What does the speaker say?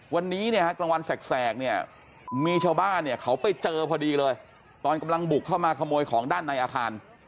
วันนี้เนี่ยฮะกลางวันแสกเนี่ยมีชาวบ้านเนี่ยเขาไปเจอพอดีเลยตอนกำลังบุกเข้ามาขโมยของด้านในอาคาร